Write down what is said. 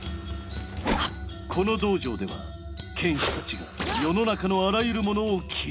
この道場では剣士たちが世の中のあらゆるものを切りまくる。